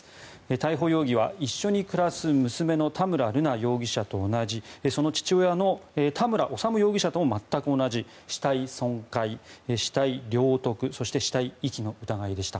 逮捕容疑は一緒に暮らす娘の田村瑠奈容疑者と同じその父親の田村修容疑者とも全く同じ死体損壊、死体領得そして死体遺棄の疑いでした。